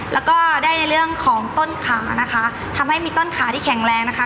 แล้วก็ได้ในเรื่องของต้นขานะคะทำให้มีต้นขาที่แข็งแรงนะคะ